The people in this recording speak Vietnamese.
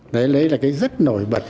đấy là cái rất nổi bật